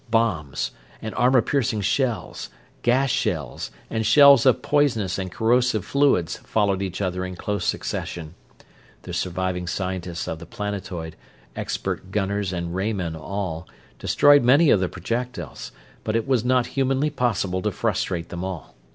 Bombs, and armor piercing shells, gas shells, and shells of poisonous and corrosive fluids followed each other in close succession. The surviving scientists of the planetoid, expert gunners and ray men all, destroyed many of the projectiles, but it was not humanly possible to frustrate them all.